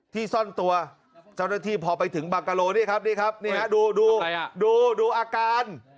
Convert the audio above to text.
ซ่อนตัวเจ้าหน้าที่พอไปถึงบางกะโลนี่ครับนี่ครับนี่ฮะดูดูอาการ